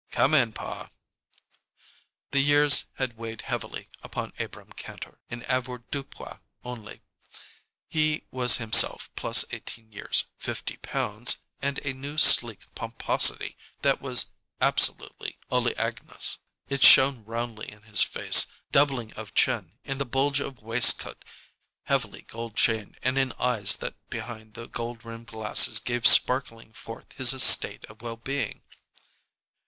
"Come in, pa." The years had weighed heavily upon Abrahm Kantor in avoirdupois only. He was himself plus eighteen years, fifty pounds, and a new sleek pomposity that was absolutely oleaginous. It shone roundly in his face, doubling of chin, in the bulge of waistcoat, heavily gold chained, and in eyes that behind the gold rimmed glasses gave sparklingly forth his estate of well being.